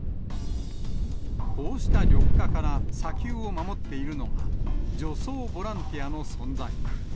こうした緑化から砂丘を守っているのが、除草ボランティアの存在。